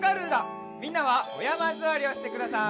みんなはおやまずわりをしてください。